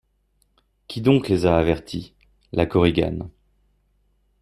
Qui donc les a avertis ? LA KORIGANE.